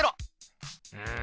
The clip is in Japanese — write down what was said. うん。